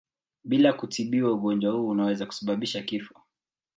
Bila kutibiwa ugonjwa huu unaweza kusababisha kifo.